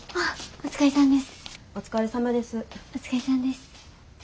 お疲れさんです。